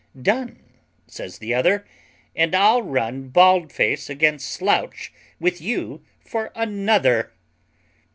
"Done," says the other: "and I'll run Baldface against Slouch with you for another."